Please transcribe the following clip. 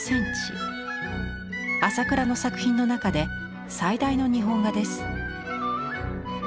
朝倉の作品の中で最大の日本画です。